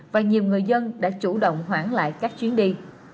và nhiều người dân đã chủ động hoãn lại các chuyến đi